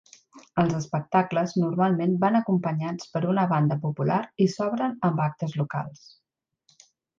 Els espectacles normalment van acompanyats per una banda popular i s'obren amb actes locals.